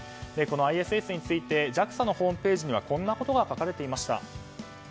このＩＳＳについてＪＡＸＡのホームページにはこんなことが書かれていました。